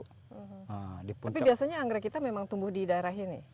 tapi biasanya anggrek kita memang tumbuh di daerah ini